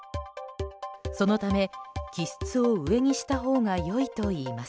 そのため、気室を上にしたほうが良いといいます。